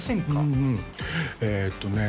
うんうんえっとね